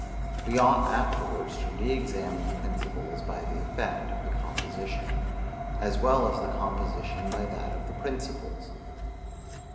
We ought afterwards to re examine the principles by the effect of the composition, as well as the composition by that of the principles.